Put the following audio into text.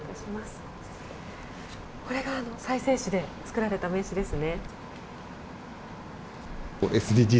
これが再生紙で作られた名刺ですね。